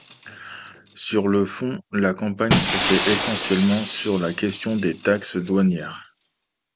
Sur le fond, la campagne se fait essentiellement sur la question des taxes douanières.